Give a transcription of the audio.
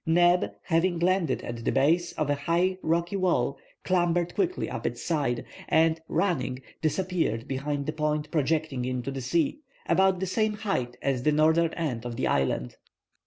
Neb, having landed at the base of a high rocky wall, clambered quickly up its side, and, running, disappeared behind a point projecting into the sea, about the same height as the northern end of the island.